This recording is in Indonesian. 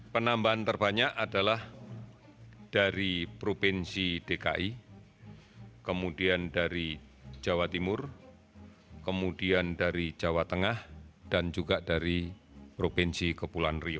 penambahan terbanyak adalah dari provinsi dki kemudian dari jawa timur kemudian dari jawa tengah dan juga dari provinsi kepulauan rio